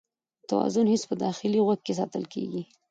د توازن حس په داخلي غوږ کې ساتل کېږي.